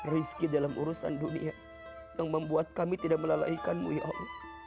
rizki dalam urusan dunia yang membuat kami tidak melalaikanmu ya allah